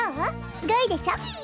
すごいでしょ？キイ！